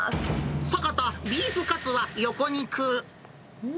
坂田、ビーフカツは横に食う！